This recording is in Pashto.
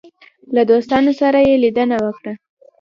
له دوستانو سره یې لیدنه وکړه.